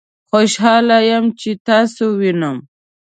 خوشحاله یم چې تاسو وینم